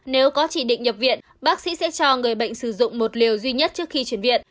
nếu có chỉ định nhập viện bác sĩ sẽ cho người bệnh sử dụng một liều duy nhất trước khi chuyển viện